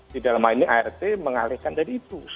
di dalam hal ini art mengalihkan tadi itu